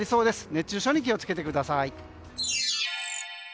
熱中症に気を付けてください。